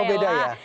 oh beda ya